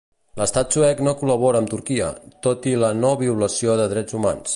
L'estat suec no col·labora amb Turquia, tot i la no violació de drets humans.